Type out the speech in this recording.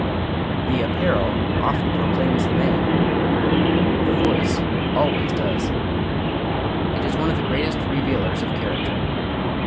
"The apparel oft proclaims the man;" the voice always does it is one of the greatest revealers of character.